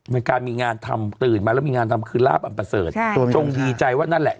มีการมีงานทำตื่นมาแล้วมีงานทำคือลาบอันประเสริฐจงดีใจว่านั่นแหละ